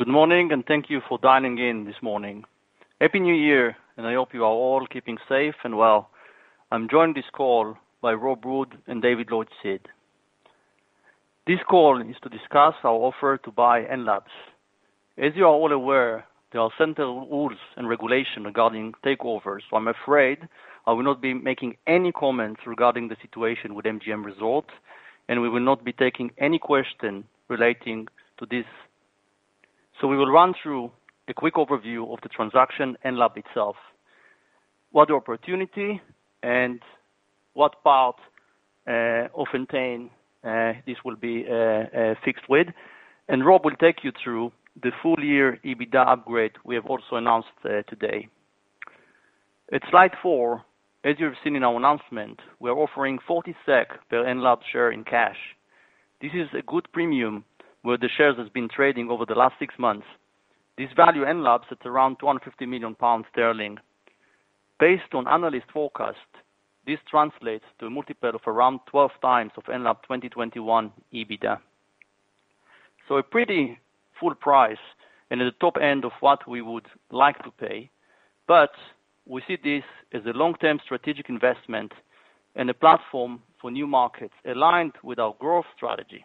Good morning, and thank you for dialing in this morning. Happy New Year, and I hope you are all keeping safe and well. I'm joined on this call by Rob Wood and David Lloyd-Seed. This call is to discuss our offer to buy Enlabs. As you are all aware, there are certain rules and regulations regarding takeovers, so I'm afraid I will not be making any comments regarding the situation with MGM Resorts, and we will not be taking any questions relating to this. We will run through a quick overview of the transaction, Enlabs itself, what the opportunity is, and what part of Entain this will fit with. Rob will take you through the full-year EBITDA upgrade we have also announced today. At slide four, as you have seen in our announcement, we are offering 40 SEK per Enlabs share in cash. This is a good premium where the shares have been trading over the last six months. This values Enlabs at around 250 million sterling. Based on analyst forecasts, this translates to a multiple of around 12 times of Enlabs 2021 EBITDA. So a pretty full price and at the top end of what we would like to pay. But we see this as a long-term strategic investment and a platform for new markets aligned with our growth strategy.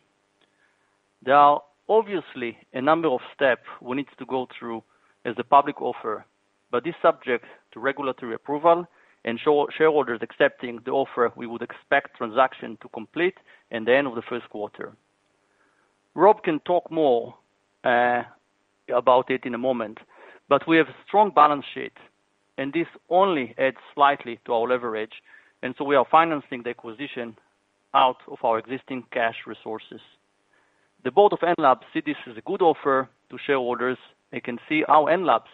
There are obviously a number of steps we need to go through as a public offer, but this is subject to regulatory approval and shareholders accepting the offer, we would expect the transaction to complete at the end of the first quarter. Rob can talk more about it in a moment, but we have a strong balance sheet, and this only adds slightly to our leverage. We are financing the acquisition out of our existing cash resources. The board of Enlabs sees this as a good offer to shareholders. They can see how Enlabs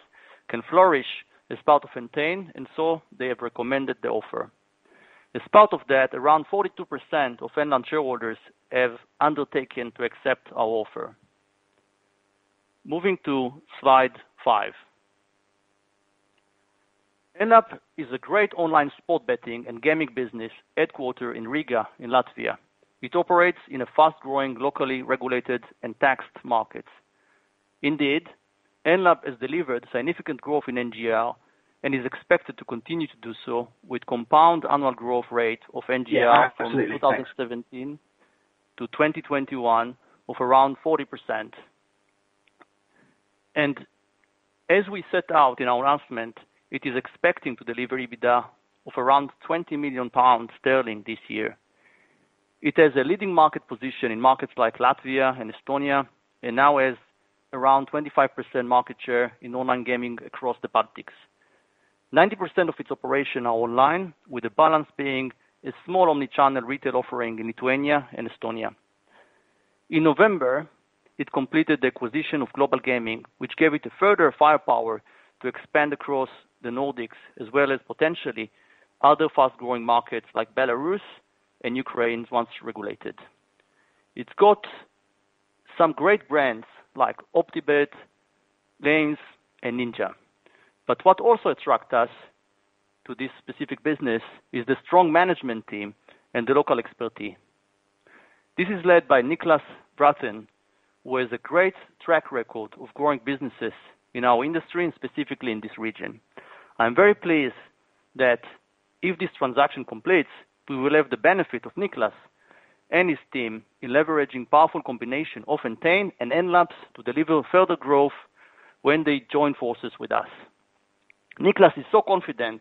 can flourish as part of Entain, and so they have recommended the offer. As part of that, around 42% of Enlabs shareholders have undertaken to accept our offer. Moving to slide five. Enlabs is a great online sports betting and gaming business headquartered in Riga in Latvia. It operates in a fast-growing, locally regulated, and taxed market. Indeed, Enlabs has delivered significant growth in NGR and is expected to continue to do so with a compound annual growth rate of NGR from 2017 to 2021 of around 40%. And as we set out in our announcement, it is expecting to deliver EBITDA of around 20 million sterling this year. It has a leading market position in markets like Latvia and Estonia, and now has around 25% market share in online gaming across the Baltics. 90% of its operations are online, with the balance being a small omnichannel retail offering in Lithuania and Estonia. In November, it completed the acquisition of Global Gaming, which gave it further firepower to expand across the Nordics, as well as potentially other fast-growing markets like Belarus and Ukraine once regulated. It's got some great brands like Optibet, Laimz, and Ninja. But what also attracts us to this specific business is the strong management team and the local expertise. This is led by Niklas Braathen, who has a great track record of growing businesses in our industry and specifically in this region. I'm very pleased that if this transaction completes, we will have the benefit of Niklas and his team in leveraging a powerful combination of Entain and Enlabs to deliver further growth when they join forces with us. Niklas is so confident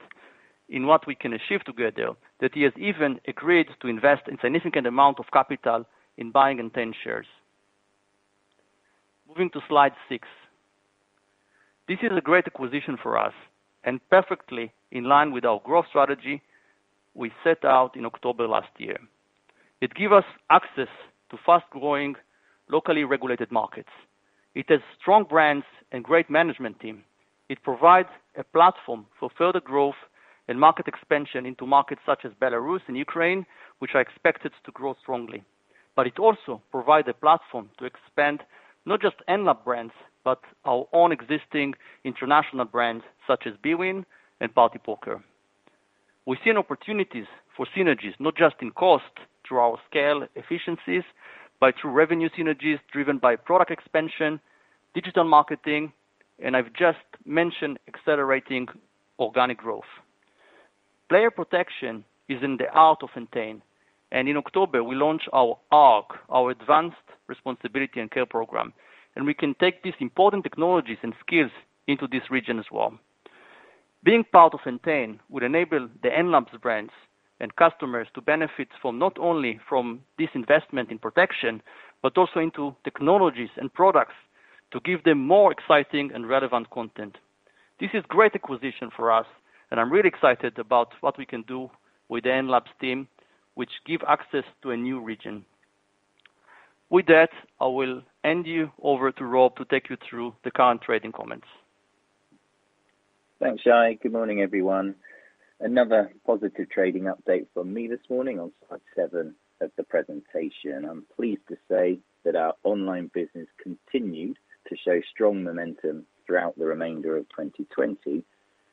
in what we can achieve together that he has even agreed to invest a significant amount of capital in buying Entain shares. Moving to slide six. This is a great acquisition for us and perfectly in line with our growth strategy we set out in October last year. It gives us access to fast-growing, locally regulated markets. It has strong brands and a great management team. It provides a platform for further growth and market expansion into markets such as Belarus and Ukraine, which are expected to grow strongly. But it also provides a platform to expand not just Enlabs brands, but our own existing international brands such as Bwin and Partypoker. We see opportunities for synergies, not just in cost through our scale efficiencies, but through revenue synergies driven by product expansion, digital marketing, and I've just mentioned accelerating organic growth. Player protection is in the heart of Entain. And in October, we launch our ARC, our Advanced Responsibility and Care Program. And we can take these important technologies and skills into this region as well. Being part of Entain would enable the Enlabs brands and customers to benefit not only from this investment in protection, but also into technologies and products to give them more exciting and relevant content. This is a great acquisition for us, and I'm really excited about what we can do with the Enlabs team, which gives access to a new region. With that, I will hand you over to Rob to take you through the current trading comments. Thanks, Shay. Good morning, everyone. Another positive trading update from me this morning on slide seven of the presentation. I'm pleased to say that our online business continued to show strong momentum throughout the remainder of 2020,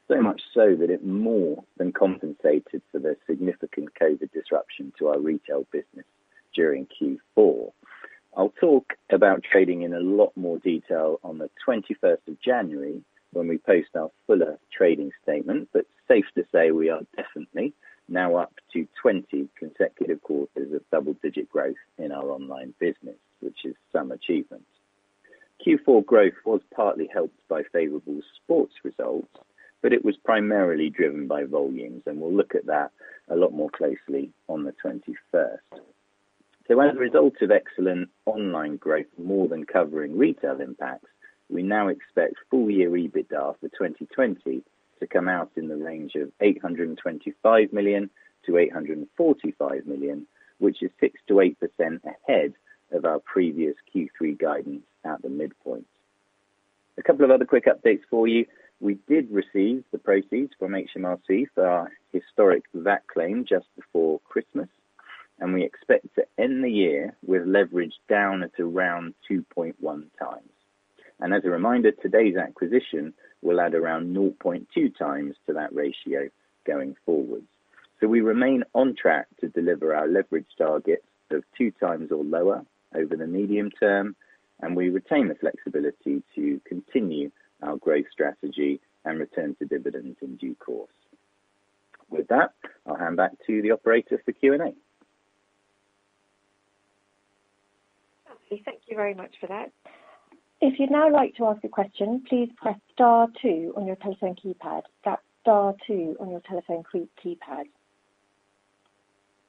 so much so that it more than compensated for the significant COVID disruption to our retail business during Q4. I'll talk about trading in a lot more detail on the 21st of January when we post our fuller trading statement, but safe to say we are definitely now up to 20 consecutive quarters of double-digit growth in our online business, which is some achievement. Q4 growth was partly helped by favorable sports results, but it was primarily driven by volumes, and we'll look at that a lot more closely on the 21st. As a result of excellent online growth more than covering retail impacts, we now expect full-year EBITDA for 2020 to come out in the range of 825-845 million, which is 6%-8% ahead of our previous Q3 guidance at the midpoint. A couple of other quick updates for you. We did receive the proceeds from HMRC for our historic VAT claim just before Christmas, and we expect to end the year with leverage down at around 2.1 times. As a reminder, today's acquisition will add around 0.2 times to that ratio going forward. We remain on track to deliver our leverage targets of two times or lower over the medium term, and we retain the flexibility to continue our growth strategy and return to dividends in due course. With that, I'll hand back to the operators for Q&A. Thank you very much for that. If you'd now like to ask a question, please press star two on your telephone keypad. That's star two on your telephone keypad.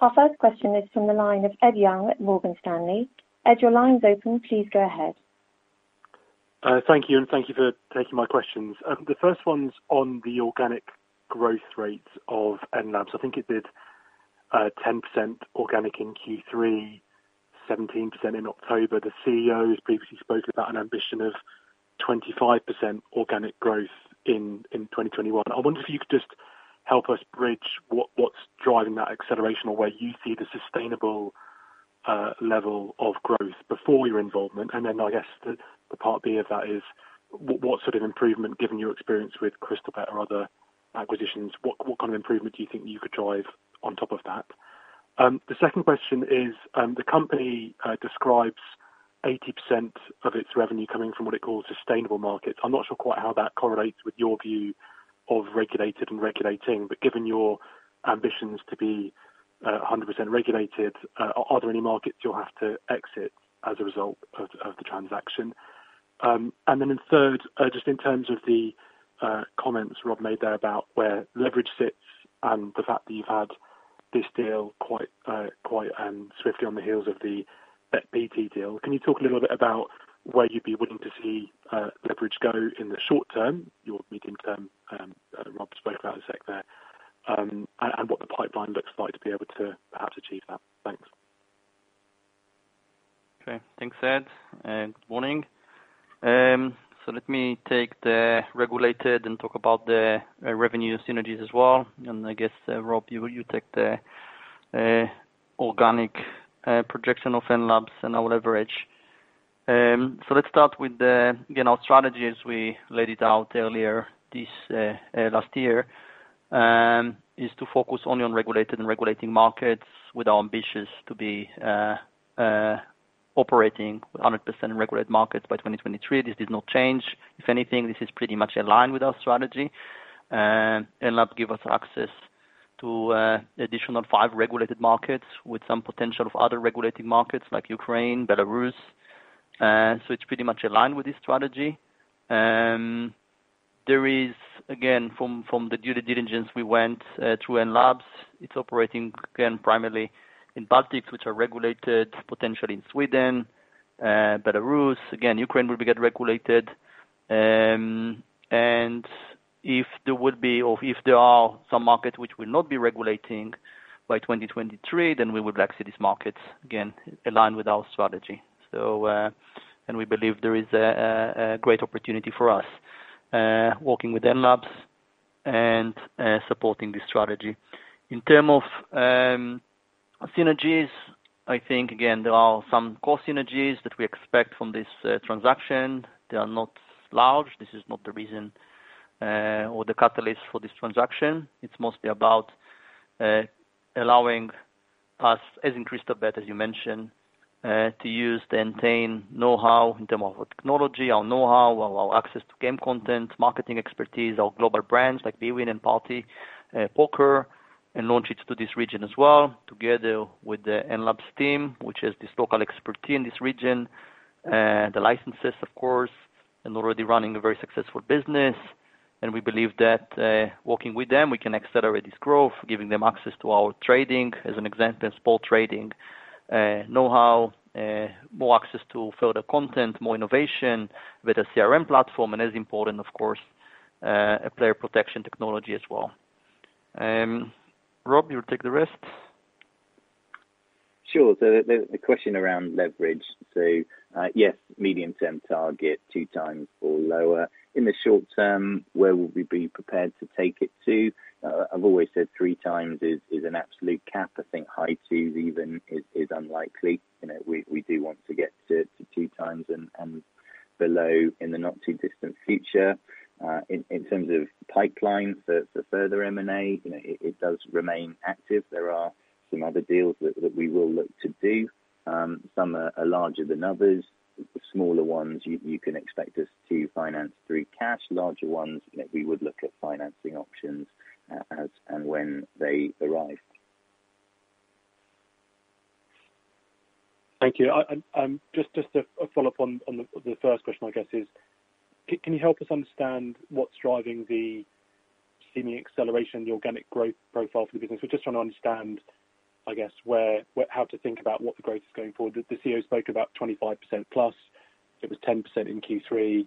Our first question is from the line of Ed Young at Morgan Stanley. Ed, your line's open. Please go ahead. Thank you, and thank you for taking my questions. The first one's on the organic growth rate of Enlabs. I think it did 10% organic in Q3, 17% in October. The CEO has previously spoken about an ambition of 25% organic growth in 2021. I wonder if you could just help us bridge what's driving that acceleration or where you see the sustainable level of growth before your involvement? And then I guess the part B of that is what sort of improvement, given your experience with Crystalbet or other acquisitions, what kind of improvement do you think you could drive on top of that? The second question is the company describes 80% of its revenue coming from what it calls sustainable markets. I'm not sure quite how that correlates with your view of regulated and regulating, but given your ambitions to be 100% regulated, are there any markets you'll have to exit as a result of the transaction? And then in third, just in terms of the comments Rob made there about where leverage sits and the fact that you've had this deal quite swiftly on the heels of the Bet deal, can you talk a little bit about where you'd be willing to see leverage go in the short term, your medium term? Rob spoke about a SEK there and what the pipeline looks like to be able to perhaps achieve that. Thanks. Okay. Thanks, Ed. Good morning. So let me take the regulated and talk about the revenue synergies as well. And I guess, Rob, you take the organic projection of Enlabs and our leverage. So let's start with, again, our strategy, as we laid it out earlier this last year, is to focus only on regulated and regulating markets with our ambitions to be operating 100% in regulated markets by 2023. This does not change. If anything, this is pretty much in line with our strategy. Enlabs gives us access to additional five regulated markets with some potential of other regulating markets like Ukraine, Belarus. So it's pretty much in line with this strategy. There is, again, from the due diligence we went through Enlabs, it's operating, again, primarily in Baltics, which are regulated, potentially in Sweden, Belarus. Again, Ukraine will be regulated. If there would be, or if there are some markets which will not be regulating by 2023, then we would like to see these markets, again, align with our strategy. We believe there is a great opportunity for us working with Enlabs and supporting this strategy. In terms of synergies, I think, again, there are some core synergies that we expect from this transaction. They are not large. This is not the reason or the catalyst for this transaction. It's mostly about allowing us, as in Crystalbet, as you mentioned, to use the Entain know-how in terms of our technology, our know-how, our access to game content, marketing expertise, our global brands like Bwin and Partypoker, and launch it to this region as well together with the Enlabs team, which has this local expertise in this region, the licenses, of course, and already running a very successful business. And we believe that working with them, we can accelerate this growth, giving them access to our trading as an example, small trading know-how, more access to further content, more innovation, better CRM platform, and as important, of course, a player protection technology as well. Rob, you'll take the rest. Sure. So the question around leverage. So yes, medium-term target, two times or lower. In the short term, where will we be prepared to take it to? I've always said three times is an absolute cap. I think high twos even is unlikely. We do want to get to two times and below in the not-too-distant future. In terms of pipeline for further M&A, it does remain active. There are some other deals that we will look to do. Some are larger than others. The smaller ones, you can expect us to finance through cash. Larger ones, we would look at financing options as and when they arrive. Thank you. Just a follow-up on the first question, I guess, is can you help us understand what's driving the seeming acceleration in the organic growth profile for the business? We're just trying to understand, I guess, how to think about what the growth is going forward. The CEO spoke about 25% plus. It was 10% in Q3,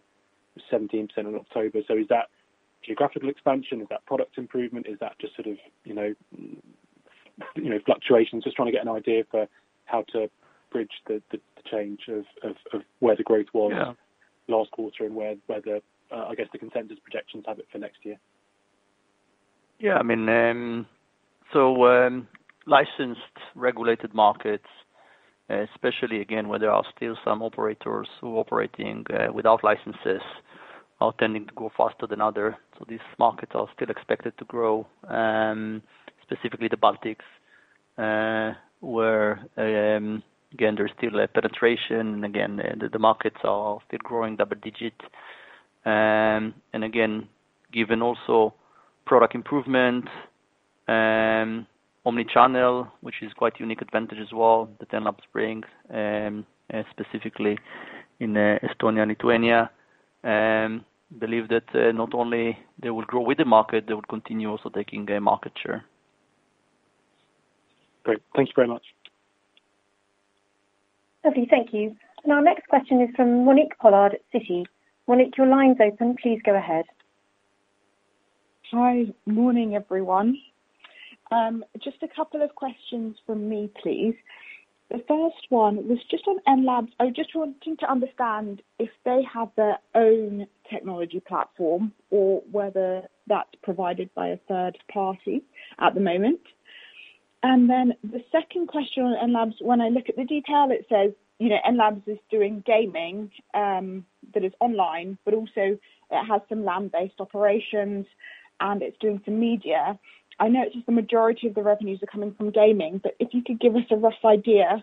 17% in October. So is that geographical expansion? Is that product improvement? Is that just sort of fluctuations? Just trying to get an idea for how to bridge the change of where the growth was last quarter and where, I guess, the consensus projections have it for next year. Yeah. I mean, so licensed regulated markets, especially, again, where there are still some operators who are operating without licenses are tending to grow faster than others. So these markets are still expected to grow, specifically the Baltics, where, again, there's still penetration. And again, the markets are still growing double-digit. And again, given also product improvement, omnichannel, which is quite a unique advantage as well that Enlabs brings, specifically in Estonia and Lithuania, I believe that not only they will grow with the market, they will continue also taking a market share. Great. Thank you very much. Lovely. Thank you. And our next question is from Monique Pollard at Citi. Monique, your line's open. Please go ahead. Hi. Morning, everyone. Just a couple of questions for me, please. The first one was just on Enlabs. I was just wanting to understand if they have their own technology platform or whether that's provided by a third party at the moment. And then the second question on Enlabs, when I look at the detail, it says Enlabs is doing gaming that is online, but also it has some land-based operations, and it's doing some media. I know it's just the majority of the revenues are coming from gaming, but if you could give us a rough idea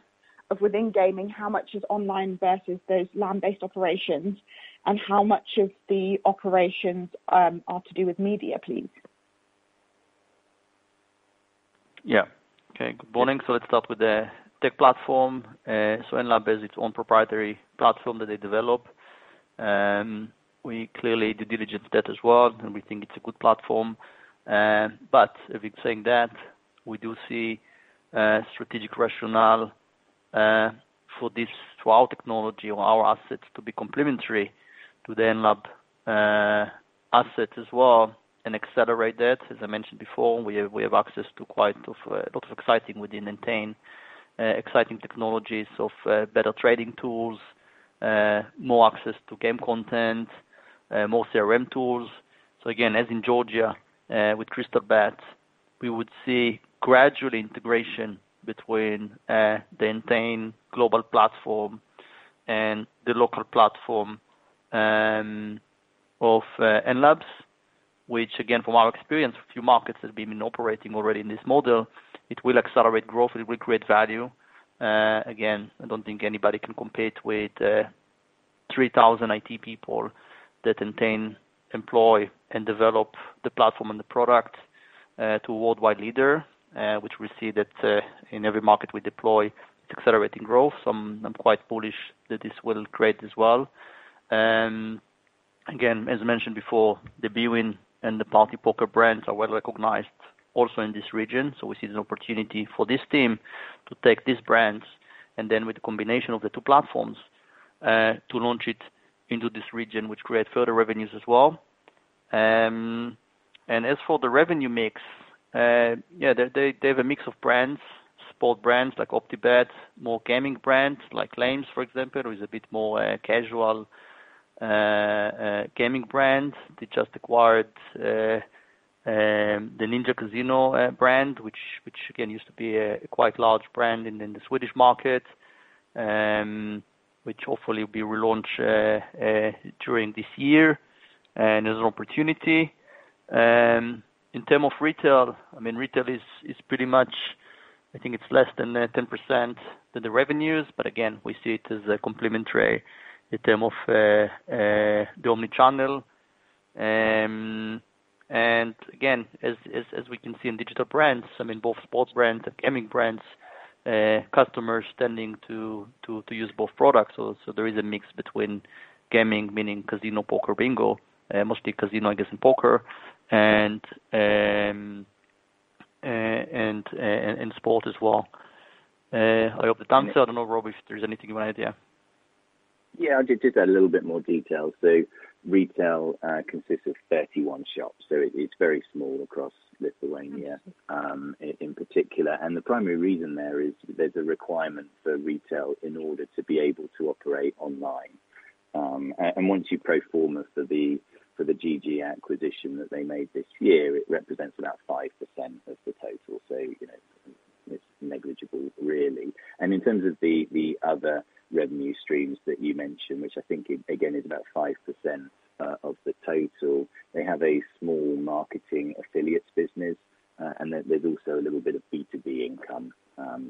of within gaming, how much is online versus those land-based operations, and how much of the operations are to do with media, please? Yeah. Okay. Good morning. So let's start with the tech platform. So Enlabs has its own proprietary platform that they develop. We clearly did due diligence that as well, and we think it's a good platform. But if we're saying that, we do see strategic rationale for this to our technology or our assets to be complementary to the Enlabs assets as well and accelerate that. As I mentioned before, we have access to quite a lot of exciting technologies within Entain of better trading tools, more access to game content, more CRM tools. So again, as in Georgia with Crystalbet, we would see gradual integration between the Entain global platform and the local platform of Enlabs, which, again, from our experience, a few markets have been operating already in this model. It will accelerate growth. It will create value. Again, I don't think anybody can compete with 3,000 IT people that Entain employ and develop the platform and the product to a worldwide leader, which we see that in every market we deploy. It's accelerating growth. So I'm quite bullish that this will create as well. Again, as mentioned before, the Bwin and the Partypoker brands are well recognized also in this region. So we see the opportunity for this team to take these brands and then with the combination of the two platforms to launch it into this region, which creates further revenues as well. And as for the revenue mix, yeah, they have a mix of brands, sport brands like Optibet, more gaming brands like Laimz, for example, who is a bit more casual gaming brand. They just acquired the Ninja Casino brand, which, again, used to be a quite large brand in the Swedish market, which hopefully will be relaunched during this year. And there's an opportunity. In terms of retail, I mean, retail is pretty much, I think it's less than 10% of the revenues, but again, we see it as complementary in terms of the omnichannel. And again, as we can see in digital brands, I mean, both sports brands and gaming brands, customers tending to use both products. So there is a mix between gaming, meaning casino, poker, bingo, mostly casino, I guess, and poker, and sport as well. I hope that answered. I don't know, Rob, if there's anything you want to add, yeah? Yeah. I'll just add a little bit more detail. So retail consists of 31 shops. So it's very small across Lithuania in particular. And the primary reason there is there's a requirement for retail in order to be able to operate online. And once you pro forma for the GG acquisition that they made this year, it represents about 5% of the total. So it's negligible, really. And in terms of the other revenue streams that you mentioned, which I think, again, is about 5% of the total, they have a small marketing affiliates business, and there's also a little bit of B2B income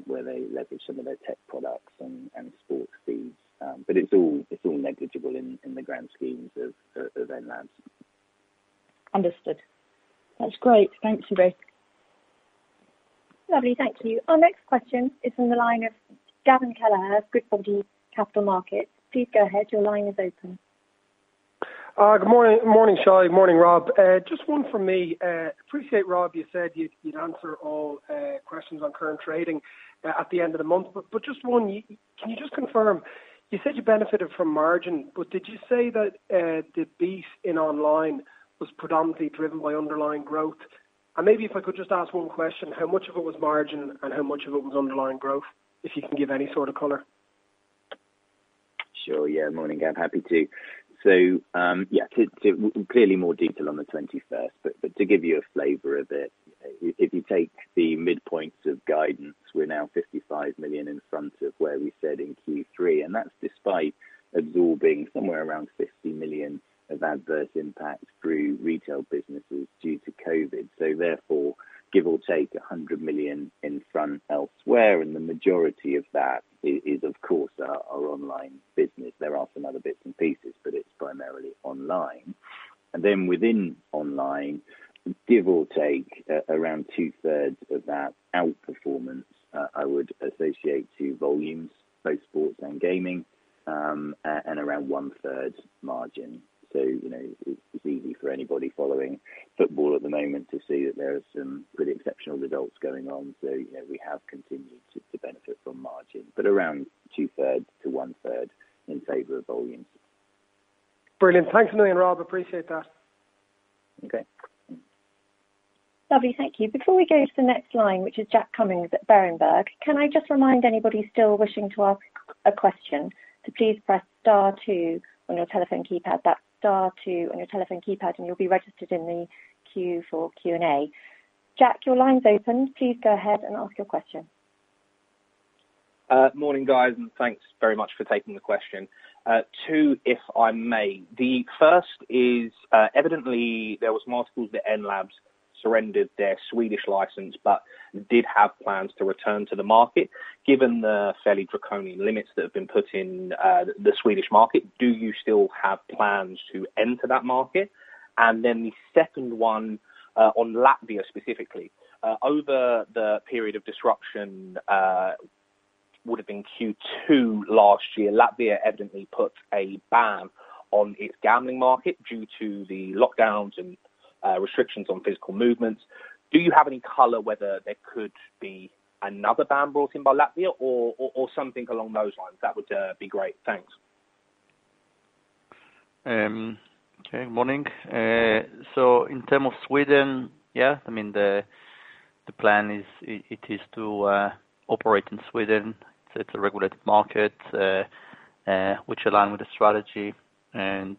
where they leverage some of their tech products and sports fees. But it's all negligible in the grand schemes of Enlabs. Understood. That's great. Thanks, everybody. Lovely. Thank you. Our next question is from the line of Gavin Kelleher of Goodbody Capital Markets. Please go ahead. Your line is open. Good morning, Shay. Good morning, Rob. Just one from me. Appreciate, Rob, you said you'd answer all questions on current trading at the end of the month. But just one, can you just confirm? You said you benefited from margin, but did you say that the boost in online was predominantly driven by underlying growth? And maybe if I could just ask one question, how much of it was margin and how much of it was underlying growth, if you can give any sort of color? Sure. Yeah. Morning, Gav. Happy to. So yeah, clearly more detail on the 21st. But to give you a flavor of it, if you take the midpoint of guidance, we're now 55 million in front of where we said in Q3. And that's despite absorbing somewhere around 50 million of adverse impact through retail businesses due to COVID. So therefore, give or take 100 million in front elsewhere. And the majority of that is, of course, our online business. There are some other bits and pieces, but it's primarily online. And then within online, give or take around two-thirds of that outperformance I would associate to volumes, both sports and gaming, and around one-third margin. So it's easy for anybody following football at the moment to see that there are some pretty exceptional results going on. We have continued to benefit from margin, but around two-thirds to one-third in favor of volumes. Brilliant. Thanks a million, Rob. Appreciate that. Okay. Lovely. Thank you. Before we go to the next line, which is Jack Cummings at Berenberg, can I just remind anybody still wishing to ask a question to please press star two on your telephone keypad, that star two on your telephone keypad, and you'll be registered in the queue for Q&A. Jack, your line's open. Please go ahead and ask your question. Morning, guys, and thanks very much for taking the question. Two, if I may. The first is, evidently, there was multiple that Enlabs surrendered their Swedish license, but did have plans to return to the market. Given the fairly draconian limits that have been put in the Swedish market, do you still have plans to enter that market? And then the second one on Latvia specifically. Over the period of disruption would have been Q2 last year, Latvia evidently put a ban on its gambling market due to the lockdowns and restrictions on physical movements. Do you have any color whether there could be another ban brought in by Latvia or something along those lines? That would be great. Thanks. Okay. Morning. So in terms of Sweden, yeah, I mean, the plan is it is to operate in Sweden. It's a regulated market, which aligns with the strategy. And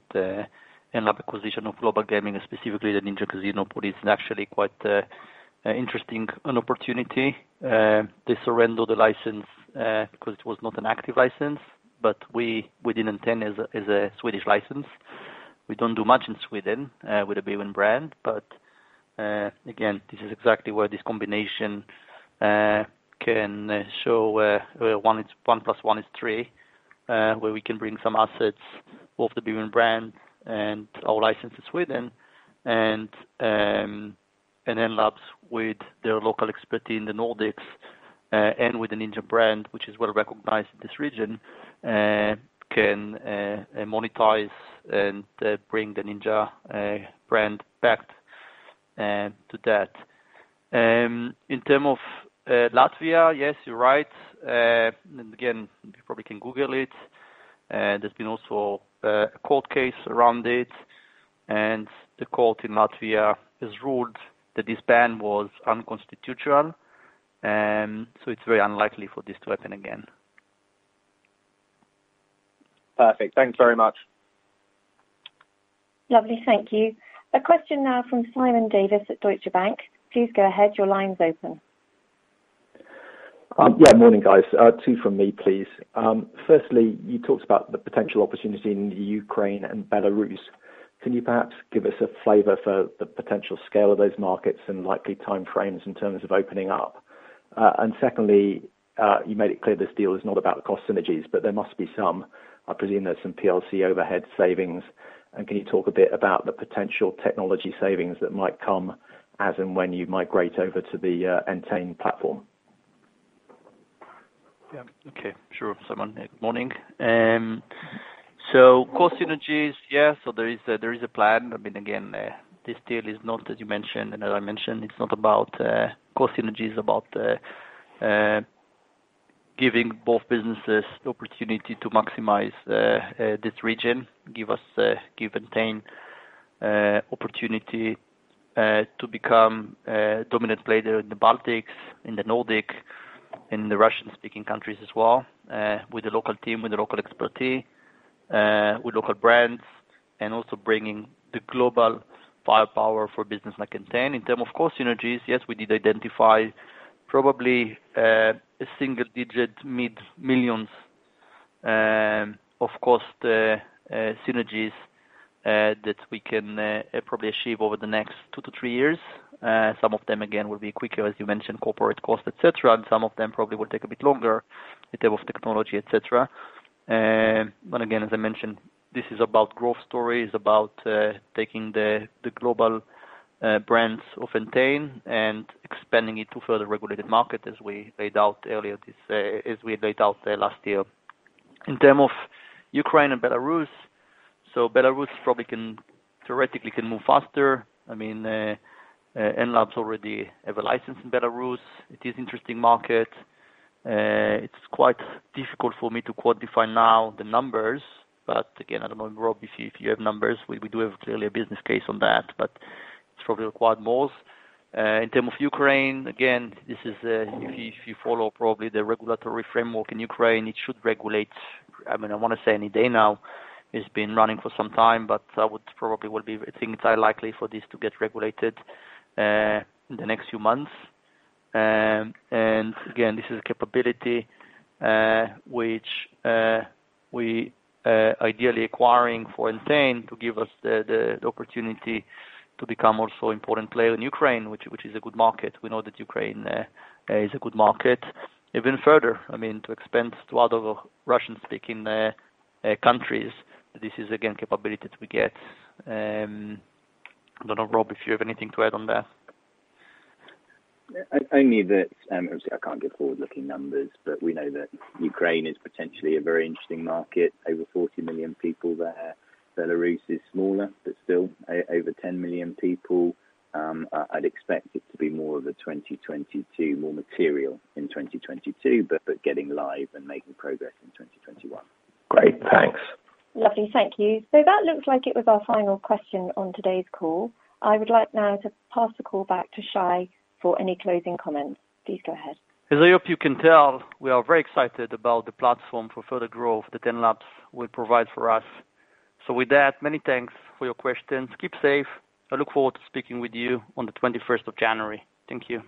Enlabs acquisition of Global Gaming, specifically the Ninja Casino, put it in actually quite an interesting opportunity. They surrendered the license because it was not an active license, but we didn't intend as a Swedish license. We don't do much in Sweden with the Bwin brand. But again, this is exactly where this combination can show one plus one is three, where we can bring some assets of the Bwin brand and our license to Sweden. And Enlabs, with their local expertise in the Nordics and with the Ninja brand, which is well recognized in this region, can monetize and bring the Ninja brand back to that. In terms of Latvia, yes, you're right. And again, you probably can Google it. There's been also a court case around it. And the court in Latvia has ruled that this ban was unconstitutional. So it's very unlikely for this to happen again. Perfect. Thanks very much. Lovely. Thank you. A question now from Simon Davies at Deutsche Bank. Please go ahead. Your line's open. Yeah. Morning, guys. Two from me, please. Firstly, you talked about the potential opportunity in Ukraine and Belarus. Can you perhaps give us a flavor for the potential scale of those markets and likely timeframes in terms of opening up? And secondly, you made it clear this deal is not about cost synergies, but there must be some. I presume there's some PLC overhead savings. And can you talk a bit about the potential technology savings that might come as and when you migrate over to the Entain platform? Yeah. Okay. Sure. Simon here. Good morning. So cost synergies, yeah. So there is a plan. I mean, again, this deal is not, as you mentioned, and as I mentioned, it's not about cost synergies, about giving both businesses the opportunity to maximize this region, give Entain opportunity to become a dominant player in the Baltics, in the Nordics, in the Russian-speaking countries as well, with the local team, with the local expertise, with local brands, and also bringing the global firepower for business like Entain. In terms of cost synergies, yes, we did identify probably a single-digit mid-millions of cost synergies that we can probably achieve over the next two to three years. Some of them, again, will be quicker, as you mentioned, corporate cost, etc., and some of them probably will take a bit longer in terms of technology, etc. But again, as I mentioned, this is about growth stories. It's about taking the global brands of Entain and expanding it to further regulated markets, as we laid out earlier, as we laid out last year. In terms of Ukraine and Belarus, so Belarus probably can theoretically move faster. I mean, Enlabs already have a license in Belarus. It is an interesting market. It's quite difficult for me to quantify now the numbers, but again, I don't know, Rob, if you have numbers. We do have clearly a business case on that, but it's probably required more. In terms of Ukraine, again, if you follow probably the regulatory framework in Ukraine, it should regulate. I mean, I want to say any day now. It's been running for some time, but I would probably well be I think it's highly likely for this to get regulated in the next few months. Again, this is a capability which we are ideally acquiring for Entain to give us the opportunity to become also an important player in Ukraine, which is a good market. We know that Ukraine is a good market. Even further, I mean, to expand to other Russian-speaking countries, this is, again, a capability that we get. I don't know, Rob, if you have anything to add on that. I knew that obviously I can't give forward-looking numbers, but we know that Ukraine is potentially a very interesting market. Over 40 million people there. Belarus is smaller, but still over 10 million people. I'd expect it to be more of a 2022, more material in 2022, but getting live and making progress in 2021. Great. Thanks. Lovely. Thank you. So that looks like it was our final question on today's call. I would like now to pass the call back to Shay for any closing comments. Please go ahead. As I hope you can tell, we are very excited about the platform for further growth that Enlabs will provide for us. So with that, many thanks for your questions. Keep safe. I look forward to speaking with you on the 21st of January. Thank you.